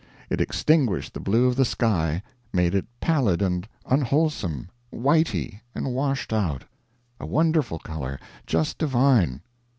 It extinguished the blue of the sky made it pallid and unwholesome, whitey and washed out. A wonderful color just divine.